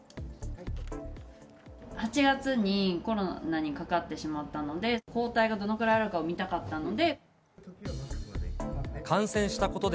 ８月にコロナにかかってしまったので、抗体がどのくらいあるかを見たかったので。